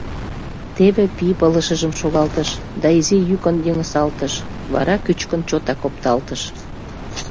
Теве пий пылышыжым шогалтыш да изи йӱкын йыҥысалтыш, вара кӱчыкын чотак опталтыш.